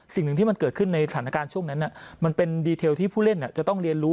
สิ่งหนึ่งที่มันเกิดขึ้นในสถานการณ์ช่วงนั้นมันเป็นดีเทลที่ผู้เล่นจะต้องเรียนรู้